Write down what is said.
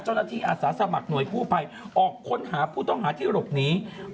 อาสาสมัครหน่วยกู้ภัยออกค้นหาผู้ต้องหาที่หลบหนี